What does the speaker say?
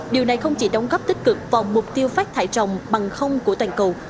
điều này không chỉ đóng góp tích cực vào mục tiêu phát thải trồng bằng không của toàn cầu